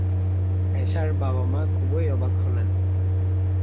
এষার বাবা-মা খুবই অবাক হলেন।